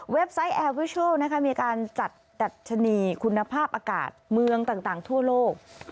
ไซต์แอร์วิชัลมีการจัดดัชนีคุณภาพอากาศเมืองต่างทั่วโลก